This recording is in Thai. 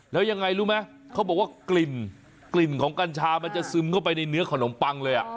แล้วยังไงรู้ไหมเขาบอกว่ากลิ่นกลิ่นของกัญชามันจะซึมเข้าไปในเนื้อขนมปังเลย